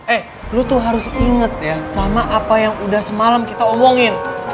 eh lu tuh harus inget ya sama apa yang udah semalam kita omongin